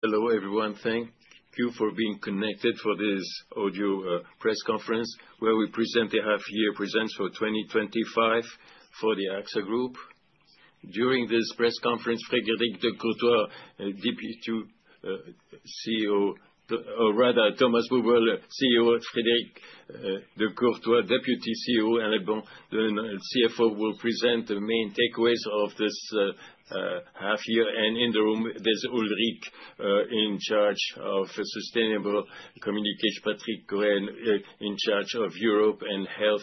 Hello everyone. Thank you for being connected for this audio press conference where we present the. Half year presents for 2025 for the AXA Group. During this press conference, Frédéric de Courtois, Deputy CEO, or rather Thomas Buberl, CEO. Frédéric de Courtois, Deputy CEO, Alban de Mailly Nesle, the CFO, will present the main takeaways of this. In the room there's Ulrike Decoene in charge of Sustainable Communication, Patrick Cohen in charge of Europe & Health,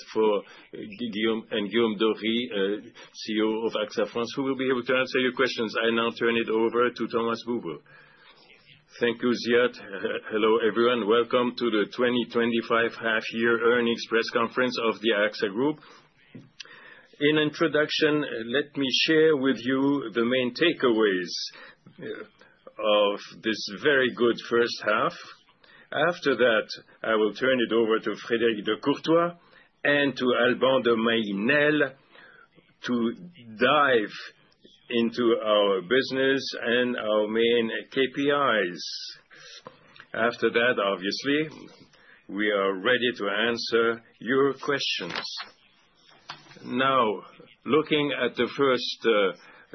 and Guillaume Borie, CEO of AXA France. Who will be able to answer your questions. I now turn it over to Thomas Buberl. Thank you, Ziad. Hello everyone. Welcome to the 2025 half year earnings press conference of the AXA Group. In introduction, let me share with you the main takeaways of this very good first half. After that I will turn it over to Frédéric de Courtois and to Alban de Mailly Nesle to dive into our business and our main KPIs after that. Obviously we are ready to answer your questions. Now looking at the first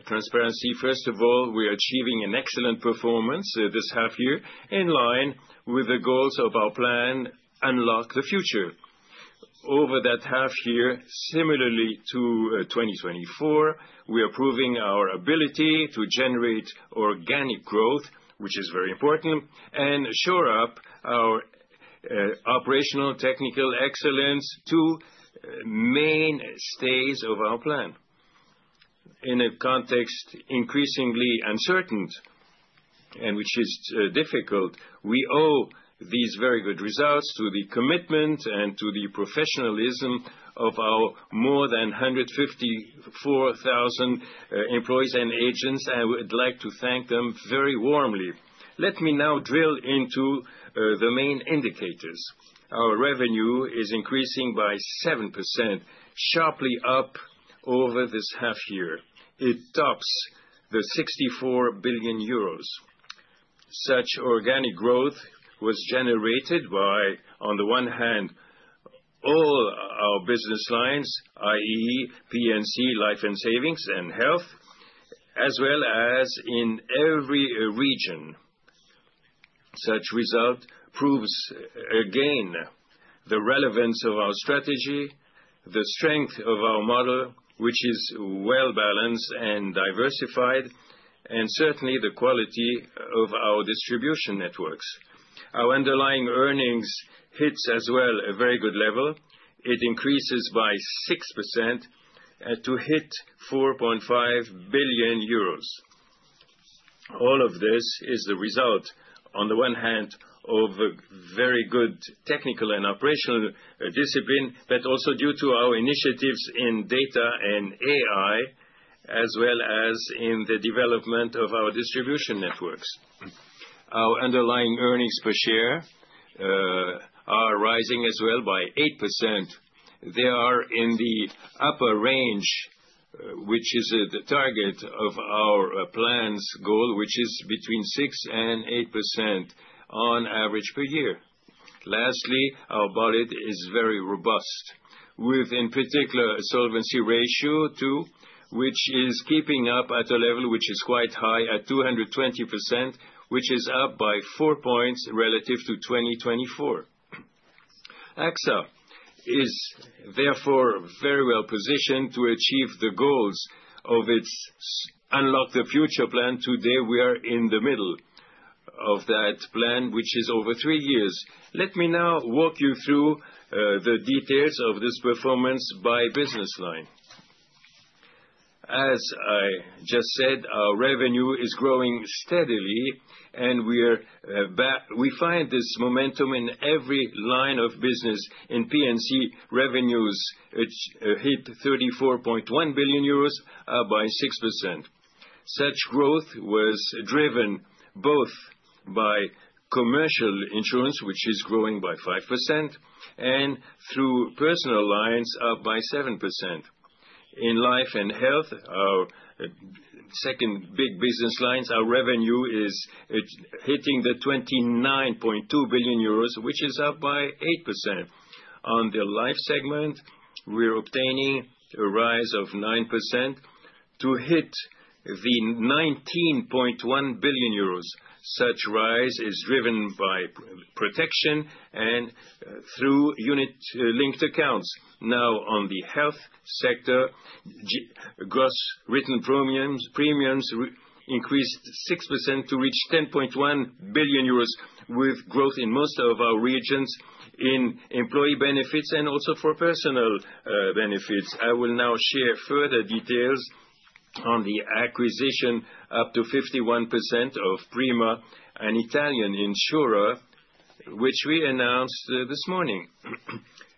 transparency. First of all, we are achieving an. Excellent performance this half year in line with the goals of our plan Unlock the Future. Over that half year, similarly to 2024, we are proving our ability to generate organic growth, which is very important and shore up our operational technical excellence, two mainstays of our plan in a context increasingly uncertain and which is difficult. We owe these very good results to the commitment and to the professionalism of our more than 154,000 employees and agents. We'd like to thank them very warmly. Let me now drill into the main indicators. Our revenue is increasing by 7%, sharply up over this half year. It tops the 64 billion euros. Such organic growth was generated by, on the one hand, all our business lines, that is Property & Casualty Insurance, Life and Savings, and Health, as well as in every region. Such result proves again the relevance of our strategy, the strength of our model, which is well balanced and diversified, and certainly the quality of our distribution networks. Our Underlying Earnings hit as well a very good level. It increases by 6% to hit 4.5 billion euros. All of this is the result, on the one hand, of very good technical and operational discipline, but also due to our initiatives in data and AI as well as in the development of our distribution networks. Our Underlying Earnings per share are rising as well, by 8%. They are in the upper range, which. Is the target of our plan's goal. Which is between 6% and 8% on average per year. Lastly, our bullet is very robust with in particular Solvency II ratio, which is. Keeping up at a level which is quite high at 220%, which is up by 4 points relative to 2024. AXA is therefore very well positioned to. Achieve the goals of its Unlock the Future plan. Today we are in the middle of. That plan, which is over three years. Let me now walk you through the details of this performance by business line. As I just said, our revenue is growing steadily, and we find this momentum. In every line of business. & Casualty Insurance, revenues hit 34.1 billion euros, up by 6%. Such growth was driven both by commercial insurance, which is growing by 5%, and through personal lines, up by 7%. In Life and Health, second big business lines, our revenue is hitting the 29.2 billion euros, which is up by 8%. On the Life segment, we're obtaining a rise of 9% to hit the 19.1 billion euros. Such rise is driven by protection and through unit linked accounts. Now on the Health sector, gross written premiums increased 6% to reach 10.1 billion euros, with growth in most of our regions in employee benefits and also for personal benefits. I will now share further details on the acquisition up to 51% of Prima. An Italian insurer, which we announced this morning.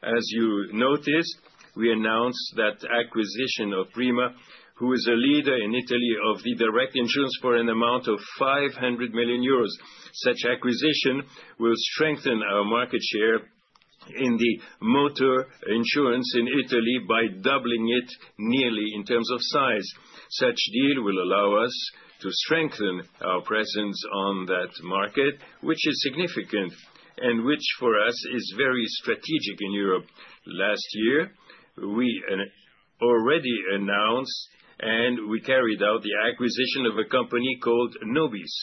As you noticed, we announced that acquisition of Prima, who is a leader in Italy of the direct insurance, for an amount of 500 million euros. Such acquisition will strengthen our market share in the motor insurance in Italy by doubling it nearly in terms of size. Such deal will allow us to strengthen our presence on that market, which is significant and which for us is very strategic. In Europe, last year we already announced and we carried out the acquisition of a company called Nobis.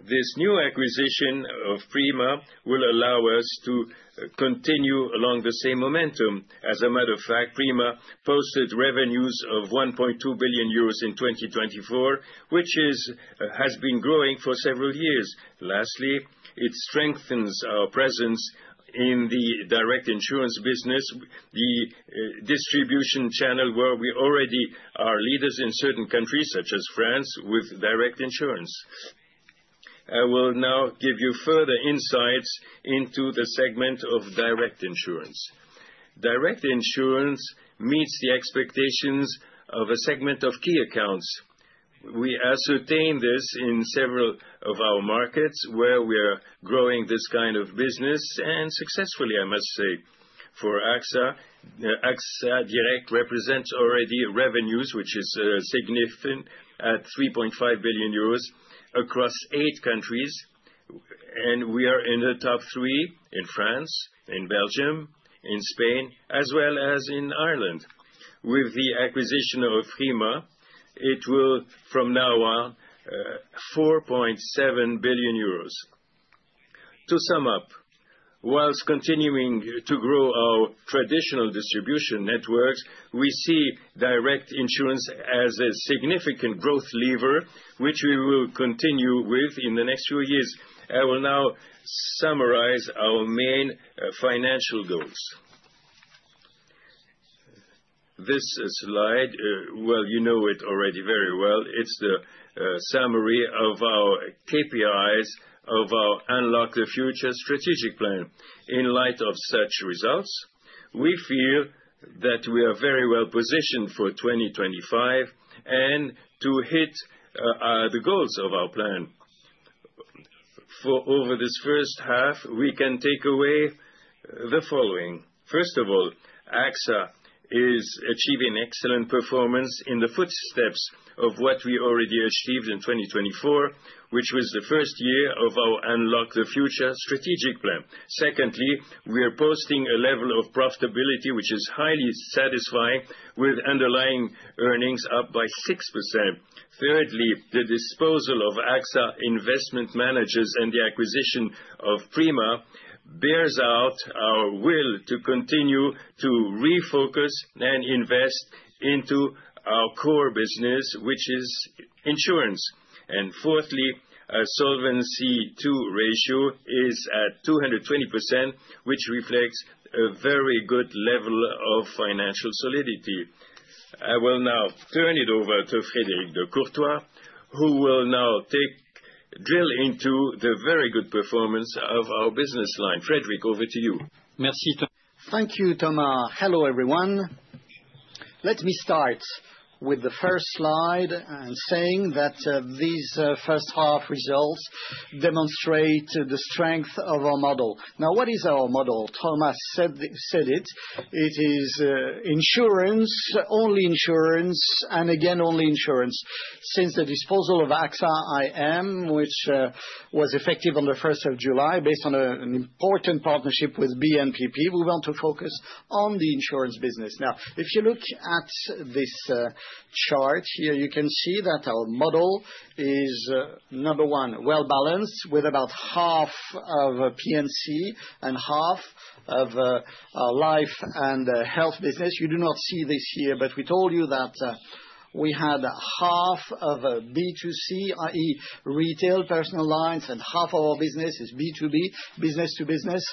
This new acquisition of Prima will allow us to continue along the same momentum. As a matter of fact, Prima posted revenues of 1.2 billion euros in 2024, which has been growing for several years. Lastly, it strengthens our presence in the direct insurance business, the distribution channel, where we already are leaders in certain countries, such as France, with direct insurance. I will now give you further insights into the segment of direct insurance. Direct insurance meets the expectations of a segment of key accounts. We ascertain this in several of our markets where we are growing this kind of business and successfully, I must say, for AXA. AXA Direct represents already revenues which is significant at 3.5 billion euros across eight countries. We are in the top three in France, in Belgium, in Spain as well as in Ireland. With the acquisition of Prima, it will from now on 4.7 billion euros. To sum up, whilst continuing to grow our traditional distribution networks, we see direct insurance as a significant growth lever which we will continue with in the next few years. I will now summarize our main financial goals. This slide, you know it already very well. It's the summary of our KPIs of our Unlock the Future strategic plan. In light of such results, we feel that we are very well positioned for 2025 and to hit the goals of our plan. Over this first half we can take away the following. First of all, AXA is achieving excellent performance in the footsteps of what we already achieved in 2024 which was the first year of our Unlock the Future strategic plan. Secondly, we are posting a level of profitability which is highly satisfying with Underlying Earnings up by 6%. Thirdly, the disposal of AXA Investment Managers and the acquisition of Prima bears out our will to continue to refocus and invest into our core business which is insurance. Fourthly, Solvency II ratio is at 220% which reflects a very good level of financial solidity. I will now turn it over to Frédéric de Courtois who will now drill into the very good performance of our business line. Frédéric, over to you. Thank you, Thomas. Hello everyone. Let me start with the first slide, saying that these first half results demonstrate the strength of our model. Now, what is our model? Thomas said it, it is insurance. Only insurance and again only insurance. Since the disposal of AXA Investment Managers, which was effective on the 1st of July based on an important partnership with BNP Paribas, we want to focus on the insurance business. Now, if you look at this chart here, you can see that our model is, number one, well balanced with about half of Property & Casualty Insurance and half of Life and Health Insurance business. You do not see this here, but we told you that we had half of B2C, that is retail personal lines, and half of our business is B2B, business to business.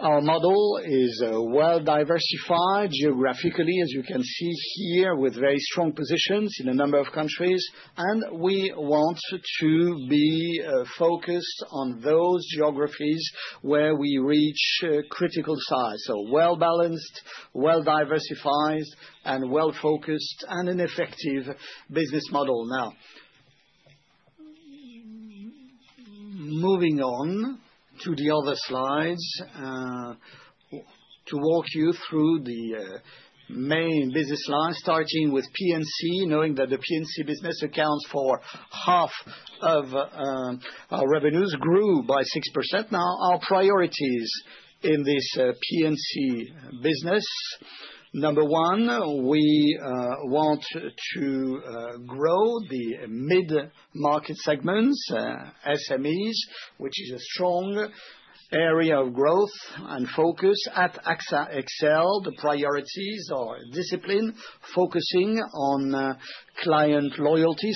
Our model is well diversified geographically, as you can see here, with very strong positions in a number of countries. We want to be focused on those geographies where we reach critical size. Well balanced, well diversified, and well focused, and an effective business model. Now. Moving on to the other slides to walk you through the main business line starting with P&C. Knowing that the P&C business accounts for half of our revenues, grew by 6%. Now our priorities in this P&C business, number one, we want to grow the mid market segments, SMEs, which is a strong area of growth and focus. At AXA XL, the priorities are discipline, focusing on client loyalty.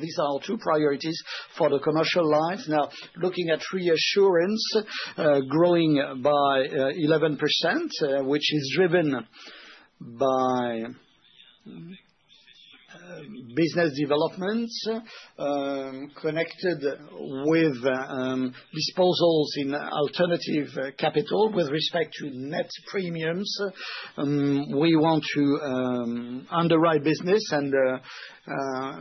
These are two priorities for the commercial lines. Now looking at reinsurance, growing by 11%, which is driven by business development connected with disposals in alternative capital. With respect to net premiums, we want to underwrite business and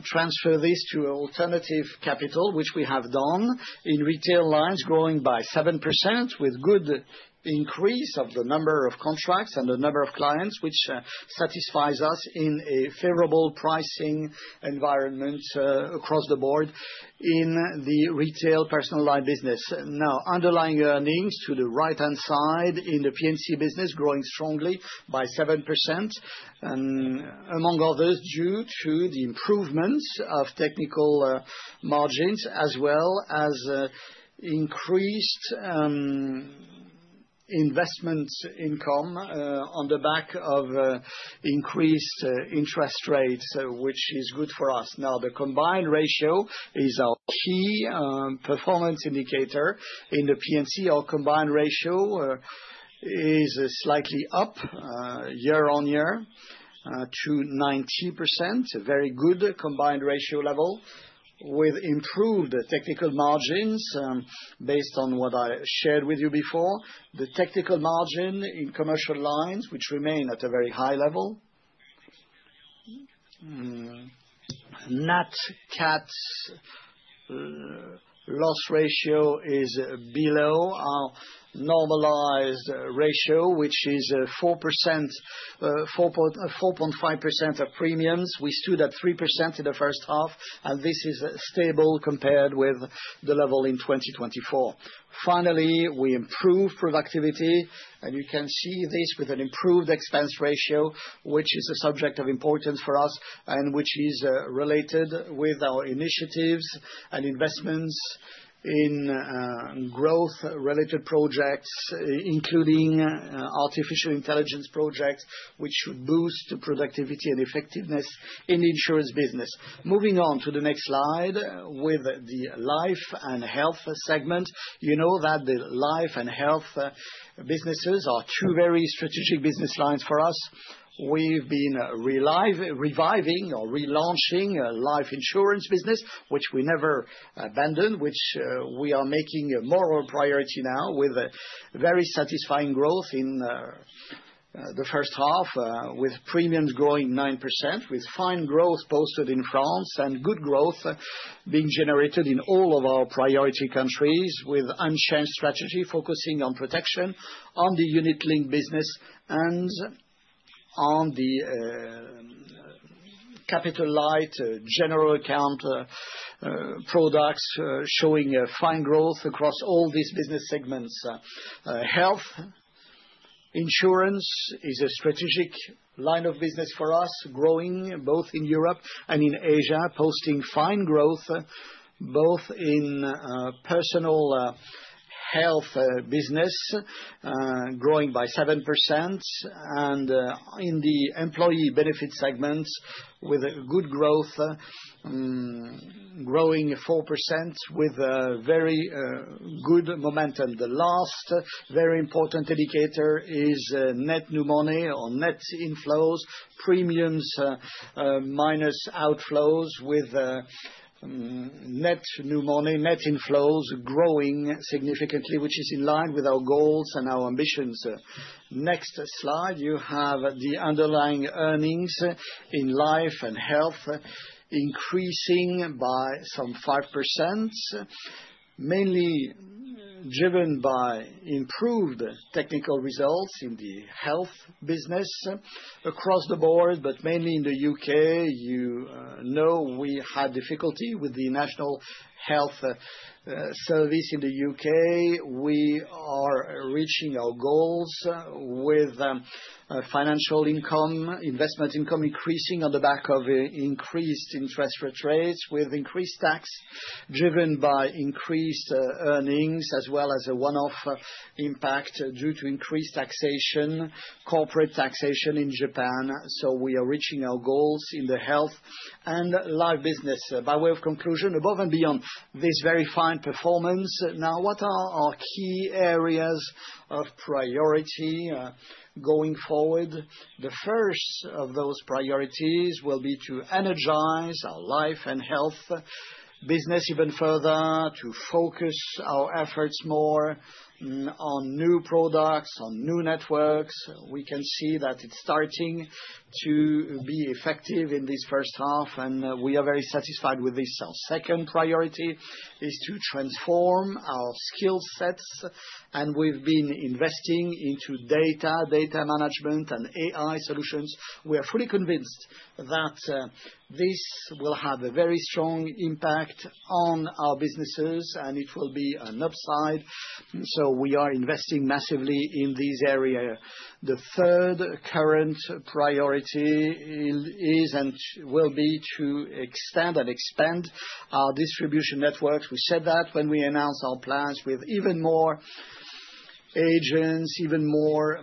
transfer this to alternative capital, which we have done. In retail lines, growing by 7% with good increase of the number of contracts and the number of clients, which satisfies us in a favorable pricing environment across the board. In the retail personal line business now, Underlying Earnings to the right hand side in the P&C business growing strongly by 7% and among others due to the improvements of technical margins as well as increased investment income on the back of increased interest rates, which is good for us. Now the Combined Ratio is our key performance indicator in the P&C. Our Combined Ratio is slightly up year on year to 90%. A very good Combined Ratio level with improved technical margins based on what I shared with you before. The technical margin in commercial lines which remain at a very high level, Nat. Cat. Loss ratio is below our normalized ratio, which is 4.5% of premiums. We stood at 3% in the first half, and this is stable compared with the level in 2024. Finally, we improve productivity, and you can see this with an improved Expense Ratio, which is a subject of importance for us and which is related with our initiatives and investments in growth-related projects, including artificial intelligence projects, which should boost productivity and effectiveness in the insurance business. Moving on to the next slide with the life and health segment. You know that the life and health businesses are two very strategic business lines for us. We've been reviving or relaunching life insurance business, which we never abandoned, which we are making a moral priority now, with very satisfying growth in the first half, with premiums growing 9%, with fine growth posted in France and good growth being generated in all of our priority countries, with unchanged strategy focusing on protection, on the unit-linked business, and on the capital-light general account products showing fine growth across all these business segments. Health insurance is a strategic line of business for us, growing both in Europe and in Asia, posting fine growth both in personal health business growing by 7% and in the employee benefit segments with good growth growing 4% with very good momentum. The last very important indicator is net new money or net inflows, premiums minus outflows, with net new money. Net inflows growing significantly, which is in line with our goal and our ambitions. Next slide, you have the Underlying Earnings in life and health increasing by some 5%, mainly driven by improved technical results in the health business across the board, but mainly in the U.K. You know we had difficulty with the National Health Service in the U.K. We are reaching our goals with financial income, investment income increasing on the back of increased interest rates, with increased tax driven by increased earnings as well as a one-off impact due to increased taxation, corporate taxation in Japan. We are reaching our goals in the health life business. By way of conclusion, above and beyond this very fine performance now, what are our key areas of priority going forward? The first of those priorities will be to energize our life and health business even further, to focus our efforts more on new products, on new networks. We can see that it's done starting to be effective in this first half, and we are very satisfied with this. Our second priority is to transform our skill sets, and we've been investing into data, data management, and AI solutions. We are fully convinced that this will have a very strong impact on our businesses, and it will be an upside. We are investing massively in these areas. The third current project priority is and will be to extend and expand our distribution networks. We said that when we announced our plans with even more agents, even more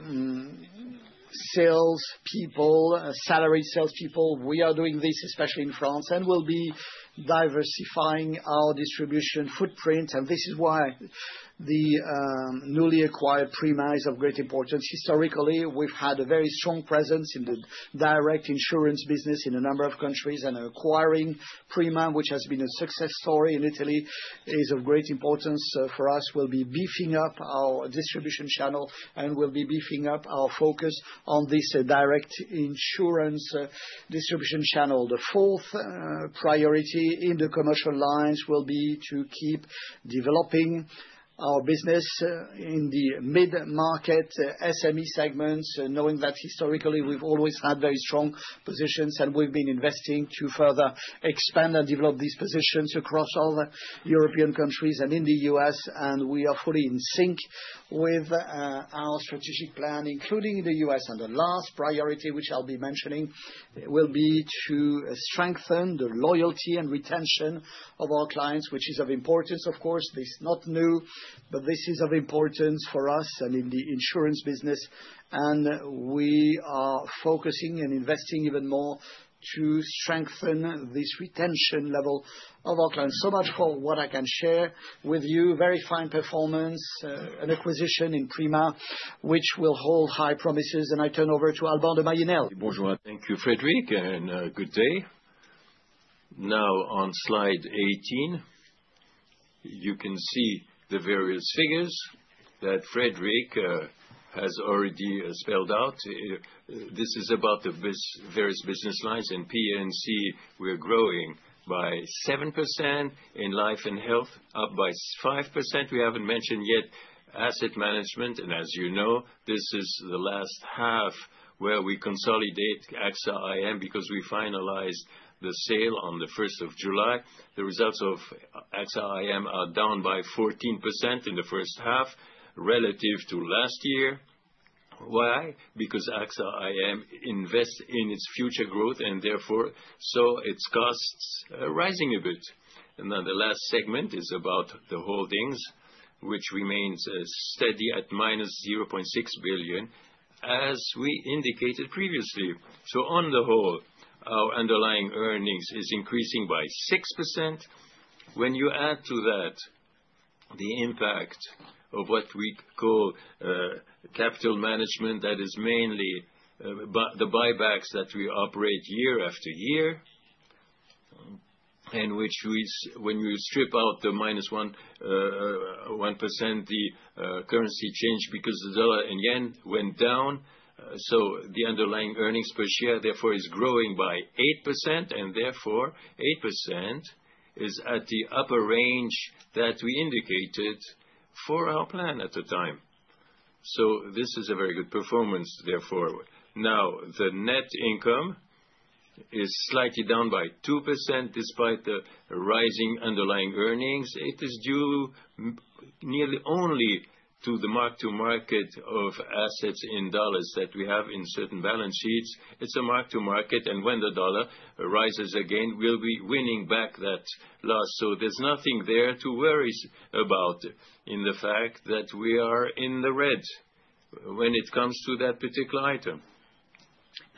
salespeople, salaried salespeople. We are doing this especially in France, and we'll be diversifying our distribution footprint, and this is why the newly acquired Prima is of great importance. Historically, we've had a very strong presence in the direct insurance business in a number of countries, and acquiring Prima, which has been a success story in Italy, is of great importance for us. We'll be beefing up our distribution channel, and we'll be beefing up our focus on this direct insurance distribution channel. The fourth priority in the commercial lines will be to keep developing our business in the mid-market SME segments, knowing that historically we've always had very strong positions, and we've been investing to further expand and develop these positions across all the European countries and in the U.S., and we are fully in sync with our strategic plan, including the U.S. The last priority, which I'll be mentioning, will be to strengthen the loyalty and retention of our clients, which is of importance. Of course, this is not new, but this is of importance for us in the insurance business, and we are focusing and investing even more to strengthen this retention level of our clients. So much for what I can share with you. Very fine performance, an acquisition in Prima which will hold high promises. I turn over to Alban de Mailly Nesle. Thank you Frédéric and good day. Now on slide 18 you can see the various figures that Frédéric has already spelled out. This is about the various business lines in Property & Casualty Insurance. We're growing by 7% in life and health, up by 5%. We haven't mentioned yet Asset Management. As you know, this is the last half where we consolidate AXA Investment Managers. Because we finalized the sale on the 1st of July. The results of AXA Investment Managers are down by 14% in the first half relative to last year. Why? Because AXA IM invests in its future growth and therefore saw its costs rising a bit. The last segment is about the holdings, which remains steady at -0.6 billion, as we indicated previously. On the whole, our Underlying Earnings is increasing by 6%. When you add to that the impact of what we call capital management, that is mainly the buybacks that we operate year after year, and which, when we strip out the -1% currency change because the dollar and yen went down, the Underlying Earnings per share therefore is growing by 8%. Therefore, 8% is at the upper range that we indicated for our plan at the time. This is a very good performance. Now the net income is slightly down by 2% despite the rising Underlying Earnings. It is due to nearly only to the Mark to Market of assets in dollars that we have in certain balance sheets. It's a Mark to Market, and when the dollar rises again, we'll be winning back that loss. There's nothing there to worry about in the fact that we are in the red when it comes to that particular item.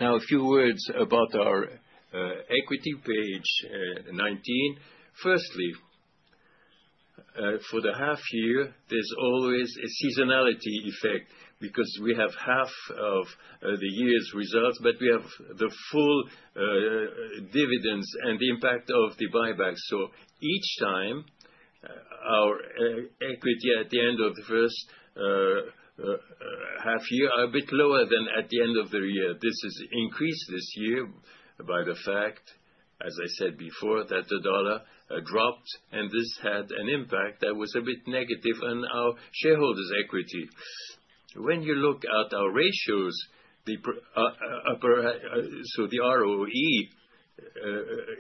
Now a few words about our equity. Page 19. Firstly, for the half year there's always a seasonality effect because we have half of the year's results, but we have the full dividends and the impact of the buyback. Each time our equity at the end of the first half year is a bit lower than at the end of the year. This is increasing this year by the fact, as I said before, that the dollar dropped and this had an impact that was a bit negative on our shareholders' equity when you look at our ratios. The ROE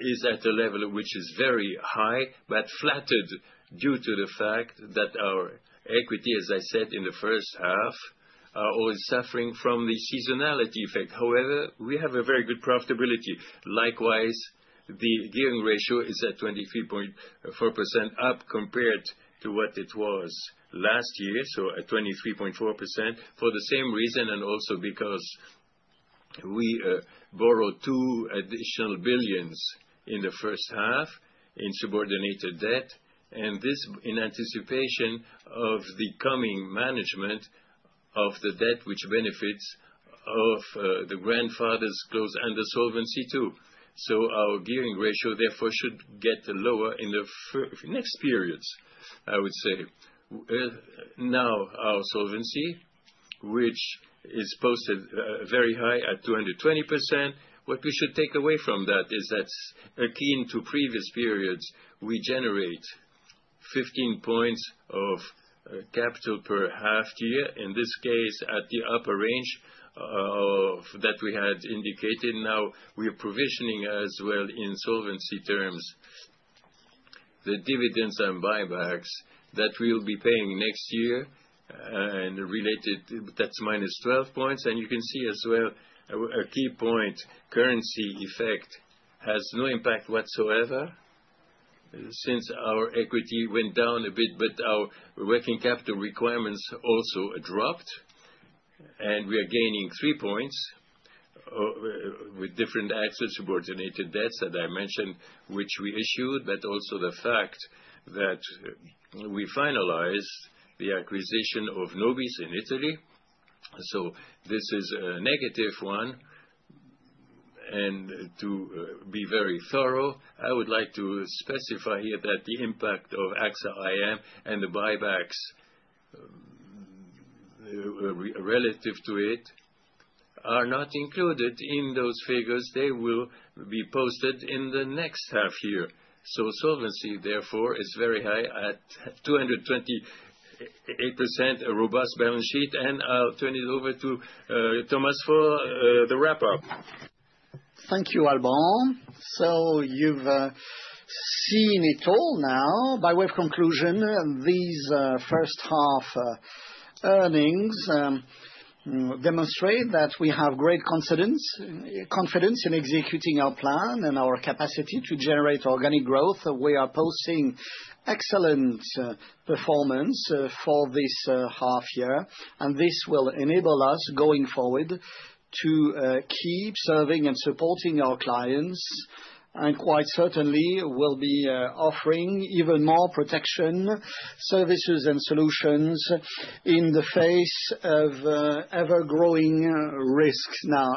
is at a level which is very high, but flattered due to the fact that our equity, as I said in the first half, is suffering from the seasonality effect. However, we have a very good profitability. Likewise, the Gearing Ratio is at 23.4%. Up compared to what it was last year. At 23.4% for the same reason and also because we borrowed 2 billion in the first half in subordinated debt. This is in anticipation of the coming management of the debt which benefits from the grandfather's clause and Solvency II. Our Gearing Ratio therefore should get lower in the next periods. I would say now our solvency, which is posted very high at 220%. What we should take away from that is that, akin to previous periods, we generate 15 points of capital per half year, in this case at the upper range that we had indicated. We are provisioning as well in solvency terms the dividends and buybacks that we will be paying next year and related, that's -12 points. You can see as well a key point, currency effect has no impact whatsoever since our equity went down a bit. Our working capital requirements also dropped and we are gaining three points with different asset subordinated debts that I mentioned, which we issued. Also, the fact that we finalized the acquisition of Nobis Group in Italy. This is a negative one. To be very thorough, I would like to specify here that the impact of AXA Investment Managers and the buybacks relative to it are not included in those figures. They will be posted in the next half year. Solvency therefore is very high at 228%. Robust balance sheet. I'll turn it over to Thomas for the wrap up. Thank you, Alban. You've seen it all. Now, by way of conclusion, these first half earnings demonstrate that we have great confidence in executing our plan and our capacity to generate organic growth. We are posting excellent performance for this half year, and this will enable us, going forward, to keep serving and supporting our clients and quite certainly will be offering even more protection services and solutions in the face of ever-growing risks.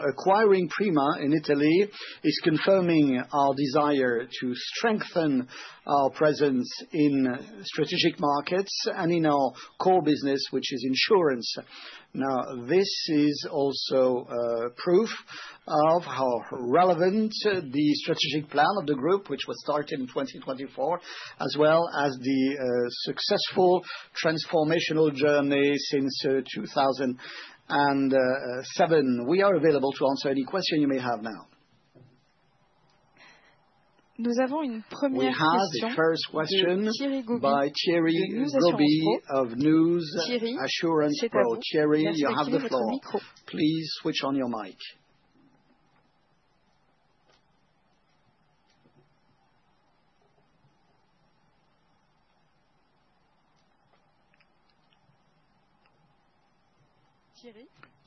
Acquiring Prima in Italy is confirming our desire to strengthen our presence in strategic markets and in our core business, which is insurance. This is also proof of how relevant the strategic plan of the Group, which was started in 2024, as well as the successful transformational journey since 2007. We are available to answer any question you may have. Now. We have the first question by Thierry Gobi of News Assurances Pro. Thierry, you have the floor. Please switch on your mic.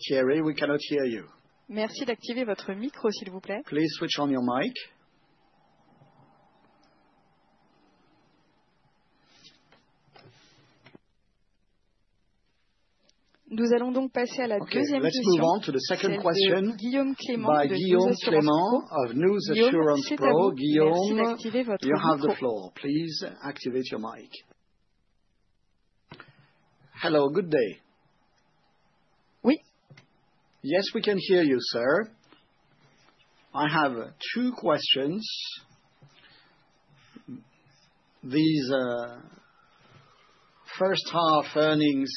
Thierry, we cannot hear you, please switch on your mic. Let's move on to the second question by Guillaume Clement of News Assurances Pro. Guillaume, you have the floor. Please activate your mic. Hello, good day. Yes, we can hear you, sir. I have two questions. These first half earnings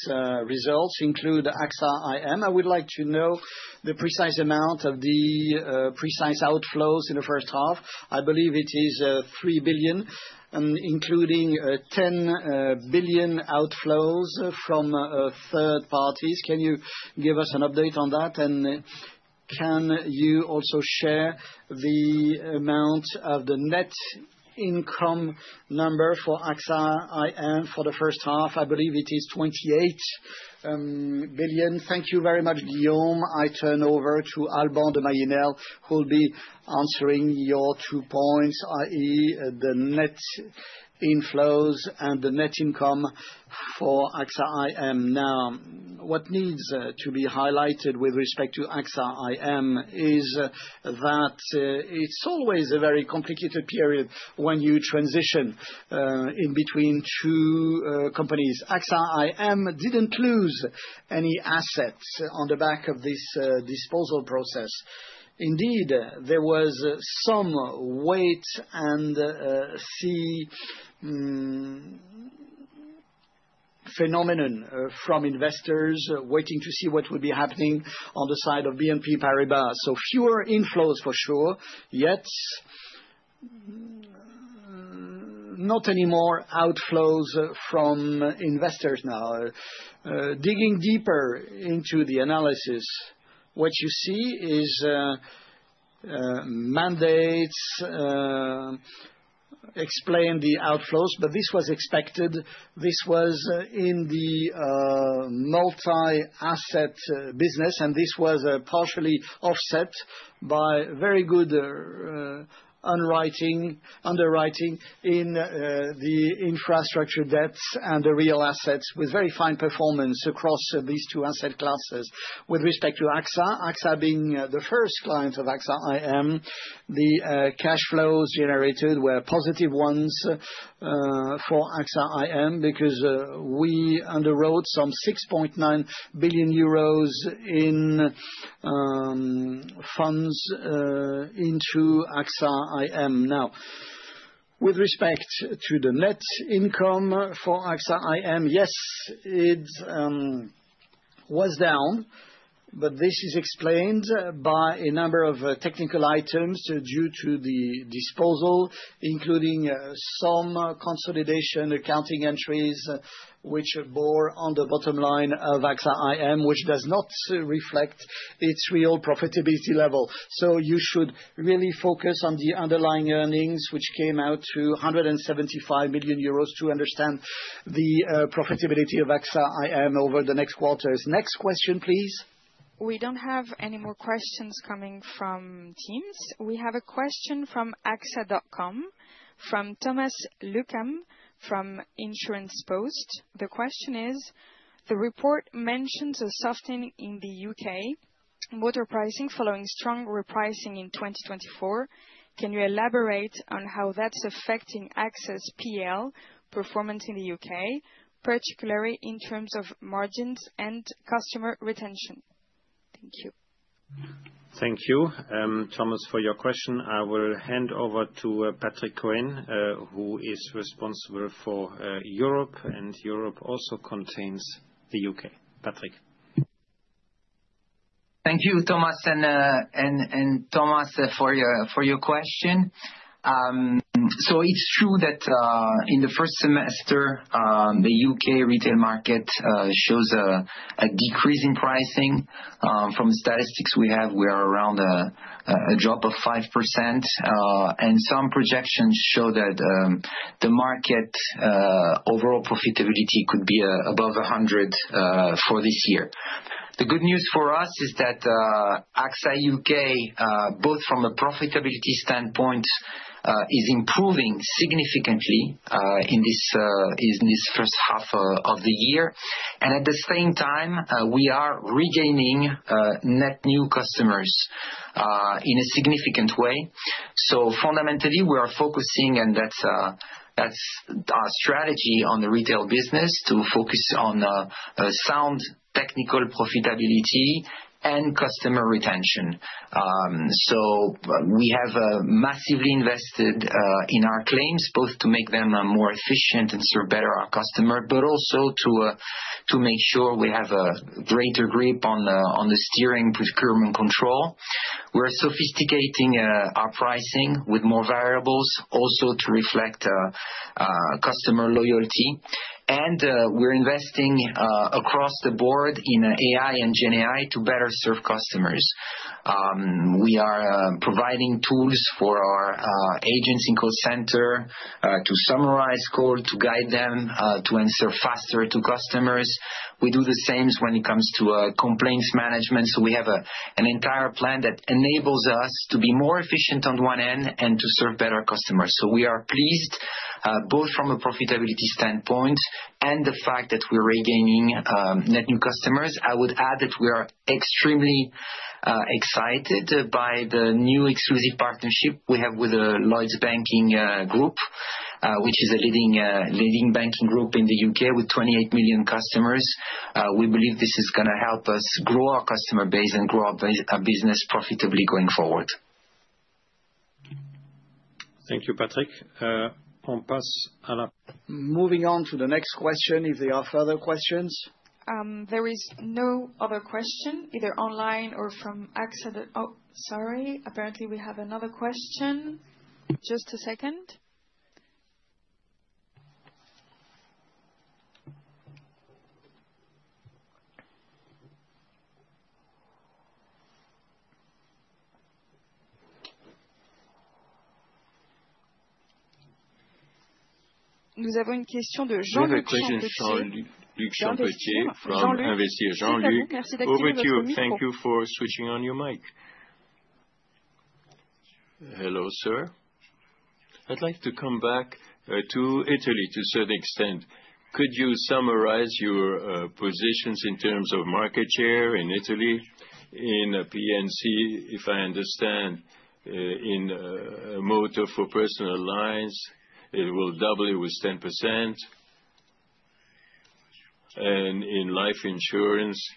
results include AXA IM. I would like to know the precise amount of the precise outflows in the first half. I believe it is 3 billion, including 10 billion outflows from third parties. Can you give us an update on that? Can you also share the amount of the net income number for AXA IM for the first half? I believe it is 28 billion. Thank you very much, Guillaume. I turn over to Alban de Mailly Nesle who will be answering your two points. That is the net inflows and the net income for AXA IM. Now, what needs to be highlighted with respect to AXA IM is that it's always a very complicated period when you transition in between two companies. AXA IM didn't lose any assets on the back of this disposal process. Indeed, there was some wait and see phenomenon from investors waiting to see what would be happening on the side of BNP Paribas. Fewer inflows for sure, yet not any more outflows from investors. Now, digging deeper into the analysis, what you see is. Mandates. Explain the outflows, but this was expected, this was in the multi-asset business and this was partially offset by very good underwriting in the infrastructure debts and the real assets with very fine performance across these two asset classes. With respect to AXA, AXA being the first client of AXA IM, the cash flows generated were positive ones for AXA IM because we underwrote 6.9 billion euros in funds into AXA IM. Now with respect to the net income for AXA IM, yes it was down. This is explained by a number of technical items due to the disposal, including some consolidation accounting entries which bore on the bottom line of AXA IM, which does not reflect its real profitability level. You should really focus on the Underlying Earnings which came out 175 million euros to understand the profitability of AXA IM over the next quarters. Next question please. We don't have any more questions coming from Teams. We have a question from axa.com from Thomas Luckham from Insurance Post. The question is the report mentions a softening in the U.K. motor pricing following strong repricing in 2024. Can you elaborate on how that's affecting AXA's P&C performance in the U.K., particularly in terms of margins and customer retention. Thank you. Thank you, Thomas, for your question. I will hand over to Patrick Cohen, who is responsible for Europe, and Europe also contains the U.K. Patrick. Thank you, Thomas, and Thomas for your question. It's true that in the first semester the U.K. retail market shows a decrease in pricing. From statistics we have, we are around a drop of 5%, and some projections show that the market overall profitability could be above 100 for this year. The good news for us is that AXA UK, both from a profitability standpoint, is improving significantly in this first half of the year, and at the same time we are regaining net new customers in a significant way. Fundamentally, we are focusing, and that's our strategy on the retail business, to focus on sound technical profitability and customer retention. We have massively invested in our claims, both to make them more efficient and serve better our customer, but also to make sure we have a greater grip on the steering procurement control. We're sophisticating our pricing with more variables also to reflect customer loyalty, and we're investing across the board in AI and GenAI to better serve customers. We are providing tools for our agents in call center to summarize call, to guide them to answer faster to customers. We do the same when it comes to complaints management. We have an entire plan that enables us to be more efficient on one end and to serve better customers. We are pleased, both from a profitability standpoint and the fact that we're regaining net new customers. I would add that we are extremely excited by the new exclusive partnership we have with Lloyds Banking Group, which is a leading banking group in the U.K. with 28 million customers. We believe this is going to help us grow our customer base and grow our business profitably going forward. Thank you, Patrick. En passed. Moving on to the next question. There are further questions. There is no other question, either online or from accident. Oh, sorry. Apparently we have another question. Just a second. Over to you. Thank you for switching on your mic. Hello, sir. I'd like to come back to Italy to a certain extent. Could you summarize your positions in terms of market share in Italy in P&C? If I understand, in motor for personal lines, it will double it with 10%. And in Life Insurance,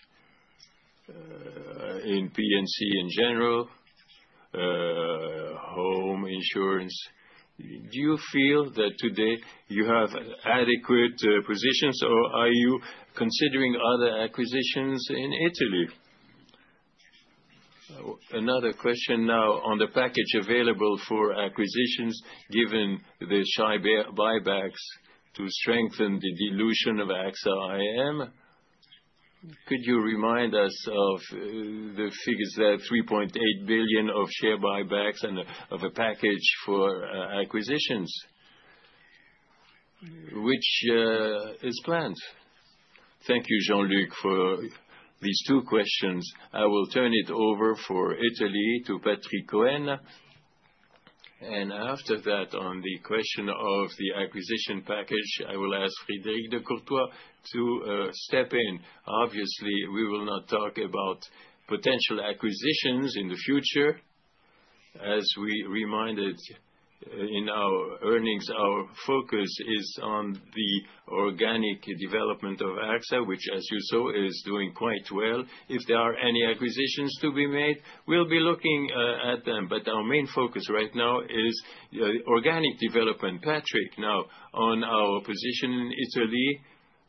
in P&C, in general, Home Insurance, do you feel that today you have adequate positions or are you considering other acquisitions in Italy? Another question now on the package available for acquisitions, given the shy buybacks to strengthen the dilution of AXA IM, could you remind us of the figures that 3.8 billion of share buybacks and of a package for acquisitions which is planned? Thank you, Jean-Luc, for these two questions. I will turn it over for Italy to Patrick Cohen. After that, on the question of the acquisition package, I will ask Frédéric de Courtois to step in. Obviously, we will not talk about potential acquisitions in the future. As we reminded in our earnings, our focus is on the organic development of AXA, which as you saw, is doing quite well. If there are any acquisitions to be made, we'll be looking at them. Our main focus right now is organic development. Patrick, now on our position in Italy,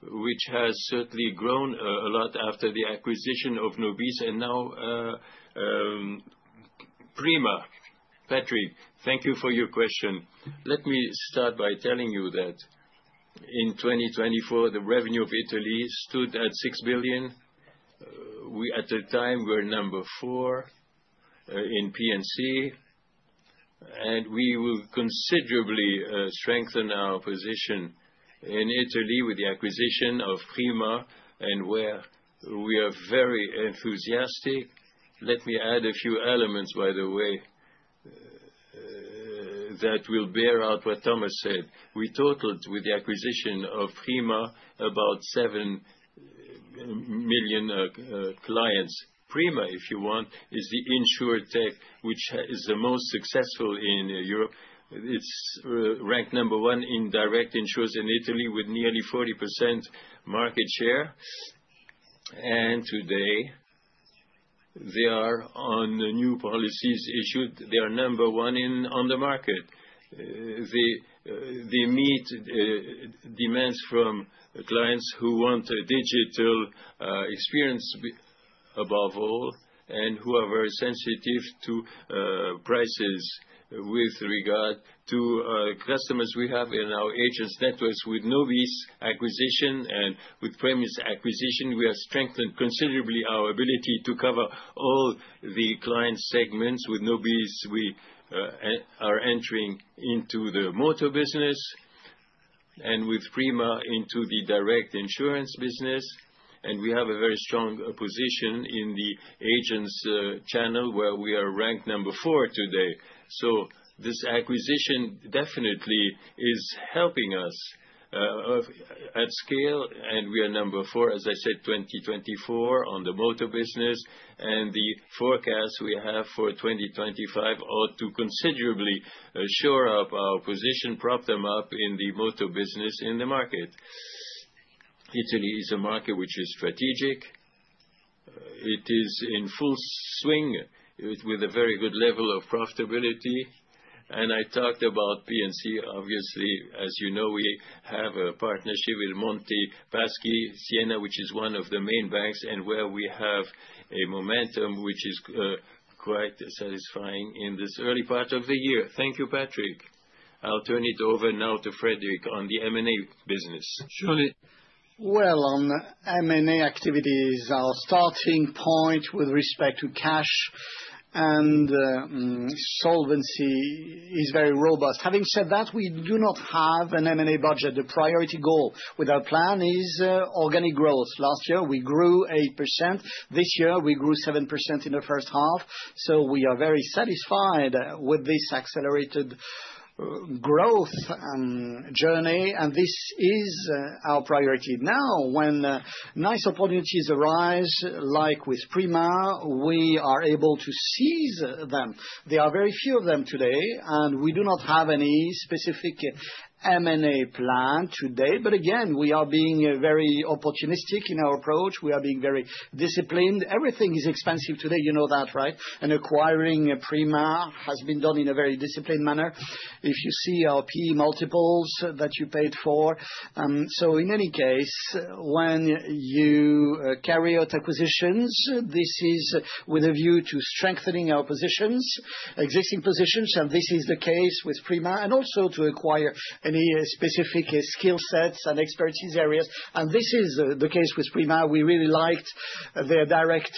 which has certainly grown a lot after the acquisition of Nobis and now. Prima. Patrick, thank you for your question. Let me start by telling you that in 2024 the revenue of Italy stood at 6 billion. We at the time were number four in P&C and we will considerably strengthen our position in Italy with the acquisition of Prima and where we are very enthusiastic. Let me add a few elements, by the way, that will bear out what Thomas said. We totaled with the acquisition of Prima about 7 million clients. Prima, if you want, is the insurtech, which is the most successful in Europe. It's ranked number one in direct insurers in Italy, with nearly 40% market share. Today they are on new policies issued. They are number one on the market. They meet demands from clients who want a digital experience above all and who are very sensitive to prices with regard to customers. We have in our agents networks with Nobis acquisition and with Prima's acquisition, we have strengthened considerably our ability to cover all the client segments. With Nobis, we are entering into the motor business and with Prima, into the direct insurance business. We have a very strong position in the agents channel, where we are ranked number four today. This acquisition definitely is helping us at scale and we are number four, as I said, in 2024 on the motor business. The forecast we have for 2025 ought to considerably shore up our position, prop them up in the motor business, in the market. Italy is a market which is strategic. It is in full swing with a very good level of profitability. I talked about Property & Casualty Insurance, obviously, as you know, we have a partnership with Monte dei Paschi di Siena, which is one of the main banks and where we have a momentum which is quite satisfying in this early part of the year. Thank you, Patrick. I'll turn it over now to Frédéric on the M&A business, surely. M&A activities, our starting point with respect to cash and solvency is very robust. Having said that, we do not have an M&A budget. The priority goal with our plan is organic growth. Last year we grew 8%. This year we grew 7% in the first half. We are very satisfied with this accelerated growth journey. This is our priority now. When nice opportunities arise, like with Prima, we are able to seize them. There are very few of them today and we do not have any specific M&A plan today. Again, we are being very opportunistic in our approach. We are being very disciplined. Everything is expensive today, you know that, right? Acquiring Prima has been done in a very disciplined manner. If you see our PE multiples that you paid for. In any case, when you carry out acquisitions, this is with a view to strengthening our positions, existing positions, and this is the case with Prima. Also to acquire any specific skill sets and expertise areas. This is the case with Prima. We really liked their direct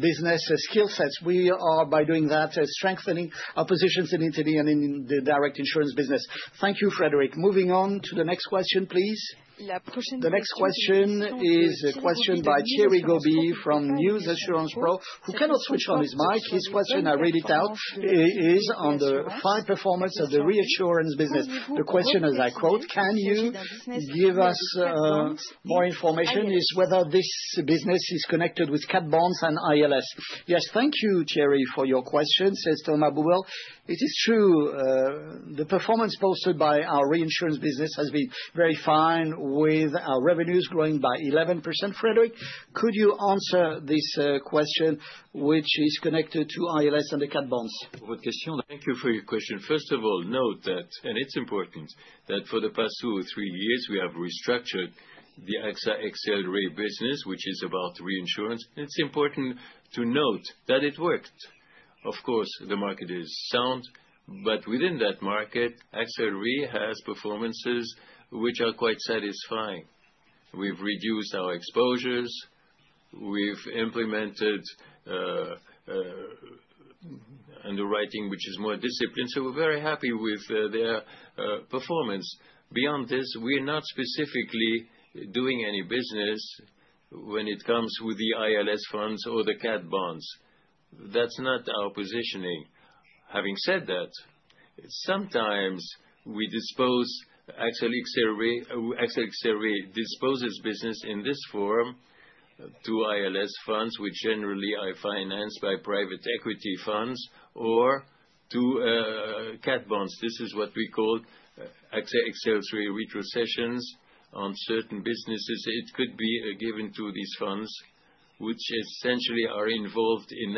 business skill sets. We are, by doing that, strengthening our positions in Italy and in the direct insurance business. Thank you, Frédéric. Moving on to the next question, please. The next question is a question by Thierry Gobi from News Assurances Pro, who cannot switch on his mic. His question, I read it out, is on the fine performance of the reinsurance. The question, as I quote, can you give us more information? Is whether this business is connected with Cat Bonds and ILS. Yes, thank you, Thierry, for your question, says Thomas Buberl. It is true the performance posted by our reinsurance business has been very fine, with our revenues growing by 11%. Frédéric, could you answer this question? Which is connected to ILS and the Cat Bonds? Thank you for your question. First of all, note that, and it's important, that for the past two or three years we have restructured the AXA XL Re business, which is about reinsurance. It's important to note that it worked. Of course, the market is sound, but within that market, AXA XL has performances which are quite satisfying. We've reduced our exposures, we've implemented underwriting which is more disciplined. We are very happy with their performance. Beyond this, we are not specifically doing any business when it comes to the ILS funds or the Cat Bonds. That's not our positioning. Having said that, sometimes we dispose, AXA XL Re disposes business in this form to ILS funds, which generally are financed by private equity funds, or to Cat Bonds. This is what we XL Re retrocessions on certain businesses. It could be given to these funds which essentially are involved in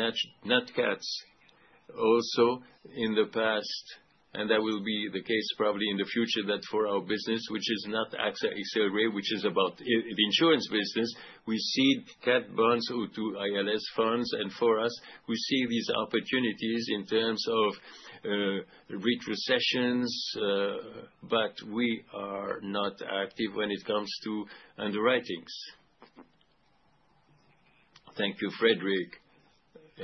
nat cats also in the past. That will be the case probably in the future. That for our business, which is not AXA Accelerate, which is about the insurance business, but we cede Cat Bonds or to ILS funds. For us, we see these opportunities in terms of RE retrocessions, but we are not active when it comes to underwritings. Thank you, Frédéric.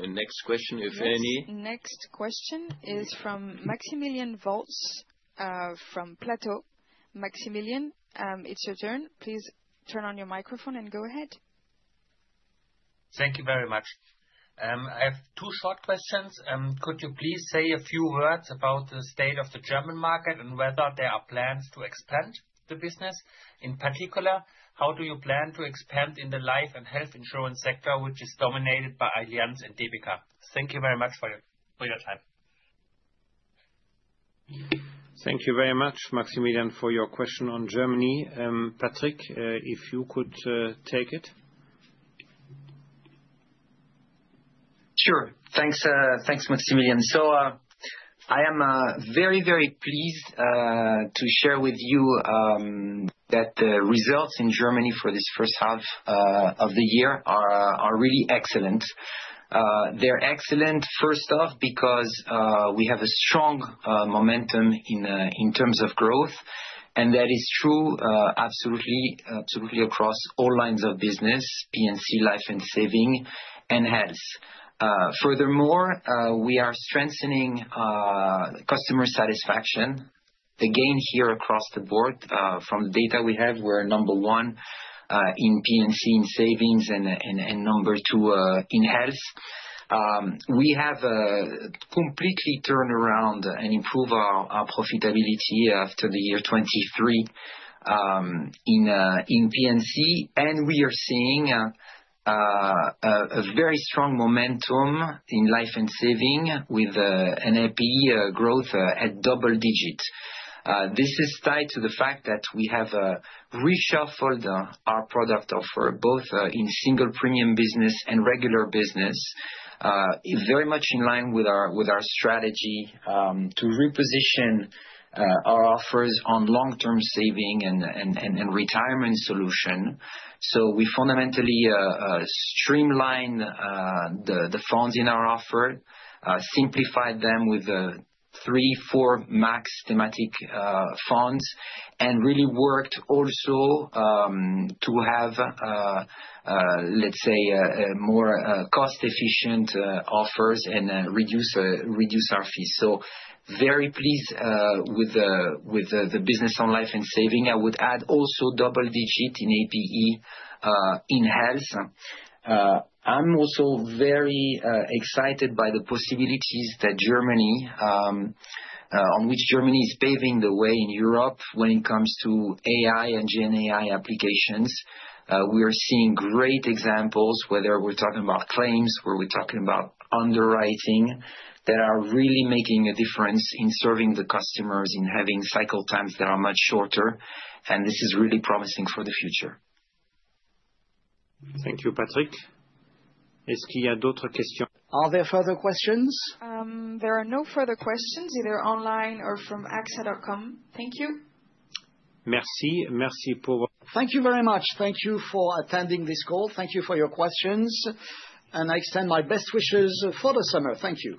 Next question, if any. Next question is from Maximilian Voltz from Plato. Maximilian, it's your turn. Please turn on your microphone and go ahead. Thank you very much. I have two short questions. Could you please say a few words about the state of the German market and whether there are plans to expand the business? In particular, how do you plan to expand in the Life and Health Insurance sector, which is dominated by Allianz and Generali. Thank you very much for your time. Thank you very much, Maximilian, for your question on Germany. Patrick, if you could take it. Sure. Thanks, Maximilian. I am very, very pleased to share with you that the results in Germany for this first half of the year are really excellent. They're excellent first off because we have a strong momentum in terms of growth and that is true absolutely across all lines of business, P&C, life and saving, and health. Furthermore, we are strengthening customer satisfaction again here across the board. From data we have, we're number one in P&C, in savings, and number two in health. We have completely turned around and improved our profitability after the year 2023 in P&C. We are seeing a very strong momentum in life and saving with NLP growth at double digits. This is tied to the fact that we have reshuffled our product offer both in single premium business and regular business, very much in line with our strategy to reposition our offers on long-term saving and retirement solution. We fundamentally streamlined the funds in our offer, simplified them with three, four max tPrimatic funds, and really worked also to have, let's say, more cost-efficient offers and reduce our fees. I am very pleased with the business on life and saving. I would add also double digit in APE in health. I'm also very excited by the possibilities that Germany is paving the way in Europe when it comes to AI and GenAI applications. We are seeing great examples, whether we're talking about claims or we're talking about underwriting, that are really making a difference in serving the customers, in having cycle times that are much shorter, and this is really promising for the future. Thank you, Patrick. Are there further questions? There are no further questions either online or from axa.com. Thank you. Merci. Merci. Thank you very much. Thank you for attending this call. Thank you for your questions, and I extend my best wishes for the summer. Thank you.